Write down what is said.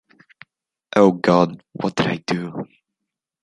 Oh God. What did I do?